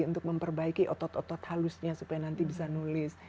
untuk memperbaiki otot otot halusnya supaya nanti bisa nulis